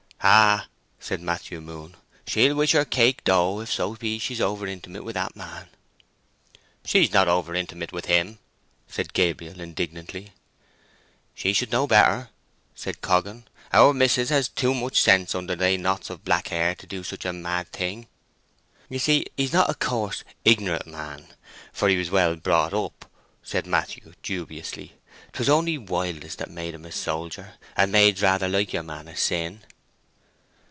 "Ah," said Matthew Moon, "she'll wish her cake dough if so be she's over intimate with that man." "She's not over intimate with him," said Gabriel, indignantly. "She would know better," said Coggan. "Our mis'ess has too much sense under they knots of black hair to do such a mad thing." "You see, he's not a coarse, ignorant man, for he was well brought up," said Matthew, dubiously. "'Twas only wildness that made him a soldier, and maids rather like your man of sin."